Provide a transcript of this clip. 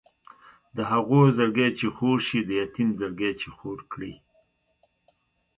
د هغو زړګی چې خور شي د یتیم زړګی چې خور کړي.